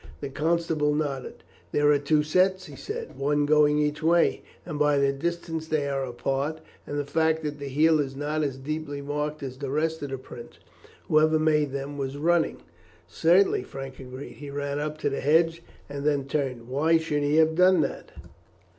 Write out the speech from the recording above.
The constable nodded. "There are two sets," he said, "one going each way; and by the distance they are apart, and the fact that the heel is not as deeply marked as the rest of the print, whoever made them was running." "Certainly," Frank agreed; "he ran up to the hedge and then turned. Why should he have done that?"